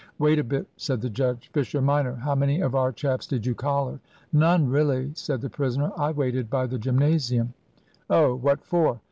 "Wait a bit," said the judge. "Fisher minor, how many of our chaps did you collar?" "None, really," said the prisoner. "I waited by the gymnasium." "Oh. What for?"